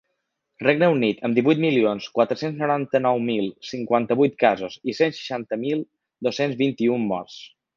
Regne Unit, amb divuit milions quatre-cents noranta-nou mil cinquanta-vuit casos i cent seixanta mil dos-cents vint-i-un morts.